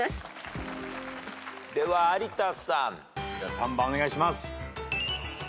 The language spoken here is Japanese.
３番お願いします。